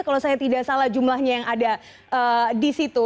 kalau saya tidak salah jumlahnya yang ada di situ